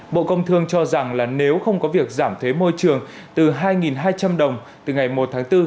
bộ công thương cho rằng là nếu không có việc giảm thuế môi trường từ hai hai trăm linh đồng từ ngày một tháng bốn